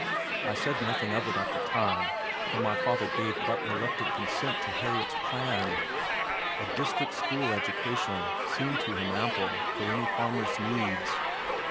I said nothing of it at the time, for my father gave but reluctant consent to Harriet's plan. A district school education seemed to him ample for any farmer's needs.